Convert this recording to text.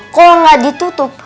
kalo gak ditutup